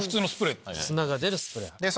砂が出るスプレー。